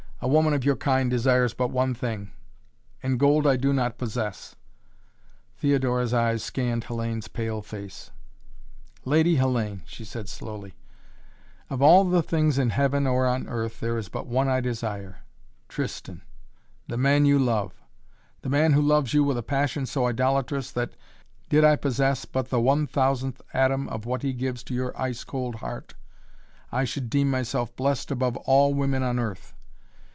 "A woman of your kind desires but one thing and gold I do not possess " Theodora's eyes scanned Hellayne's pale face. "Lady Hellayne," she said slowly, "of all the things in heaven or on earth there is but one I desire: Tristan, the man you love the man who loves you with a passion so idolatrous that, did I possess but the one thousandth atom of what he gives to your ice cold heart, I should deem myself blessed above all women on earth.